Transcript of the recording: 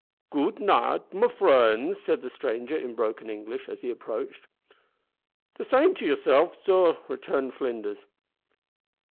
"Goot night, my frunds," said the stranger, in broken English, as he approached. "The same to yersilf, sor," returned Flinders.